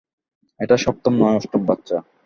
এটা সপ্তম নয়, অষ্টম বাচ্চা।